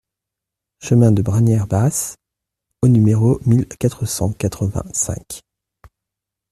Chemin de Bragnères Basses au numéro mille quatre cent quatre-vingt-cinq